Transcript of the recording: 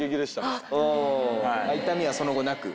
痛みはその後なく？